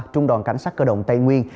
trung đoàn cảnh sát cơ động tây nguyên